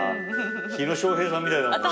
火野正平さんみたいだもん。